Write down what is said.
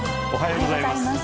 おはようございます。